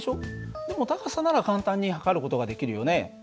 でも高さなら簡単に測る事ができるよね。